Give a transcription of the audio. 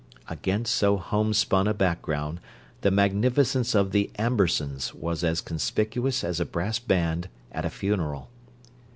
Against so homespun a background the magnificence of the Ambersons was as conspicuous as a brass band at a funeral.